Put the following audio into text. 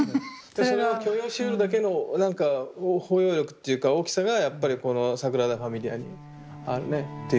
それを許容しうるだけのなんか包容力っていうか大きさがやっぱりこのサグラダ・ファミリアにあるねっていう感じがしますよね。